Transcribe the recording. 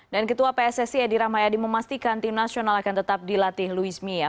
dan ketua pssc edi rahmayadi memastikan tim nasional akan tetap dilatih louis mia